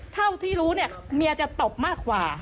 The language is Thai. เท่าที่รู้เนี่ยเมียจะตบมากกว่า